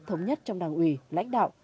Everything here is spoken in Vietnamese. thống nhất trong đảng ủy lãnh đạo